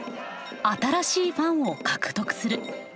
新しいファンを獲得する。